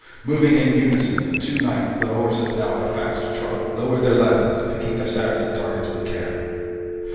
Moving in unison, the two knights, their horses now at a fast trot, lowered their lances, picking their Saracen targets with care.